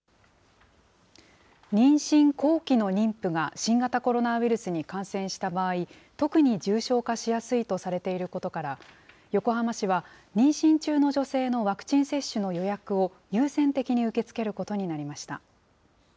妊娠後期の妊婦が新型コロナウイルスに感染した場合、特に重症化しやすいとされていることから、横浜市は妊娠中の女性のワクチン接種の予約を優先的に受け付けることになりました。